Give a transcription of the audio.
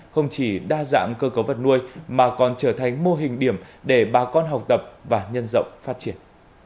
không chỉ đa dạng cơ cấu vật nuôi mà còn trở thành mô hình điểm để bà con học tập và nhân rộng phát triển